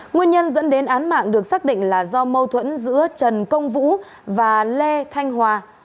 nguyên nhân dẫn đến án mạng được xác định là do mâu thuẫn giữa trần công vũ và lê thanh hòa